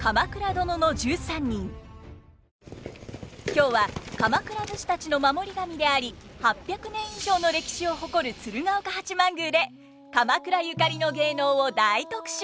今日は鎌倉武士たちの守り神であり８００年以上の歴史を誇る鶴岡八幡宮で鎌倉ゆかりの芸能を大特集！